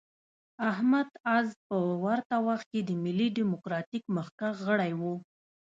احمد عز په ورته وخت کې د ملي ډیموکراتیک مخکښ غړی و.